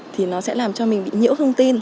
thì nó sẽ làm cho mình bị nhiễu thông tin